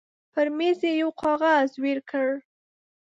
پر مېز يې يو کاغذ وېړ کړ.